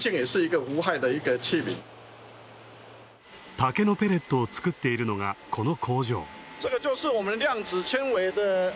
竹のペレットを作っているのが、この工場。